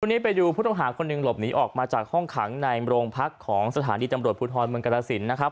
วันนี้ไปดูผู้ต้องหาคนหนึ่งหลบหนีออกมาจากห้องขังในโรงพักของสถานีตำรวจภูทรเมืองกรสินนะครับ